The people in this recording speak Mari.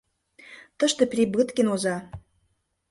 Тыште Прибыткин оза.